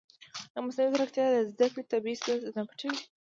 ایا مصنوعي ځیرکتیا د زده کړې طبیعي ستونزې نه پټوي؟